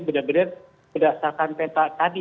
benar benar berdasarkan peta tadi